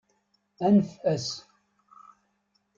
Anef-as.